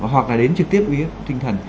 hoặc là đến trực tiếp uy hiếp tinh thần